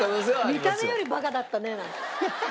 「見た目よりバカだったね」なんて。